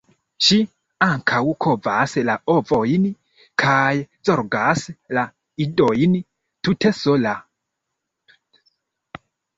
Ŝi ankaŭ kovas la ovojn kaj zorgas la idojn tute sola.